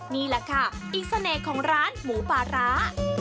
นี่แหละค่ะอีกเสน่ห์ของร้านหมูปลาร้า